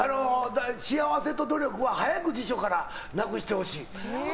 幸せと努力は早く辞書からなくしてほしい。